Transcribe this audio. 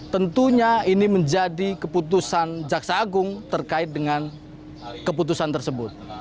tentunya ini menjadi keputusan jaksa agung terkait dengan keputusan tersebut